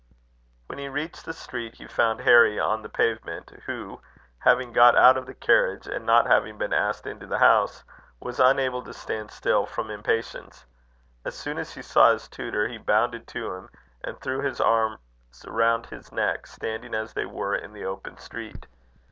When he reached the street, he found Harry on the pavement, who having got out of the carriage, and not having been asked into the house, was unable to stand still for impatience. As soon as he saw his tutor, he bounded to him, and threw his arms round his neck, standing as they were in the open street.